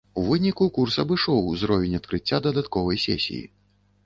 У выніку курс абышоў узровень адкрыцця дадатковай сесіі.